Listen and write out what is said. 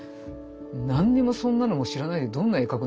「何にもそんなのも知らないでどんな絵描くんだ」